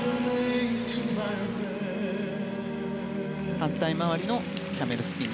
反対回りのキャメルスピン。